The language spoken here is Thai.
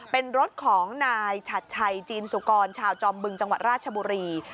เป็นรถของนายฉัดชัยจีนสุกรชาวจอมบึงจังหวัดราชบุรี